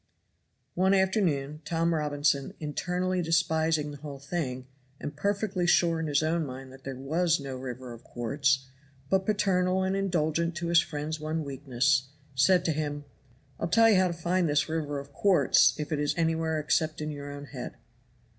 One afternoon Tom Robinson, internally despising the whole thing, and perfectly sure in his own mind that there was no river of quartz, but paternal and indulgent to his friend's one weakness, said to him: "I'll tell you how to find this river of quartz, if it is anywhere except in your own head."